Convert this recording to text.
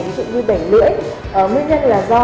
ví dụ như bể lưỡi nguyên nhân là do